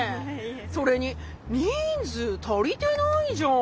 それに人数足りてないじゃん。